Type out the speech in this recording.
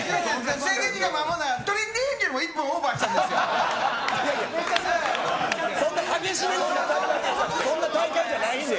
制限時間守らないのは、鳥人間も１分オーバーしたんですよ。